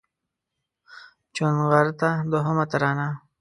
چونغرته دوهمه ترانه